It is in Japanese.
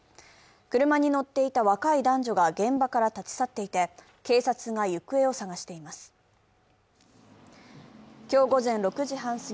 車に乗っていた若い男女が現場から立ち去っていて、警察が行方を捜しています。